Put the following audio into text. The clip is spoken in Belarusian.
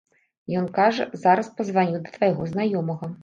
Ён кажа, зараз пазваню да твайго знаёмага.